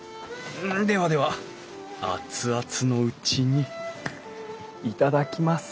ではでは熱々のうちに頂きます。